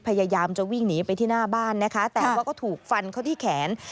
พยายามจะวิ่งหนีไปที่หน้าบ้านนะคะแต่ว่าก็ถูกฟันเขาที่แขน